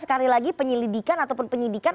sekali lagi penyelidikan ataupun penyidikan